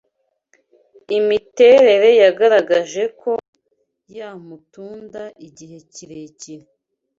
Imiterere yagaragaje ko yamutunda igihe kirekire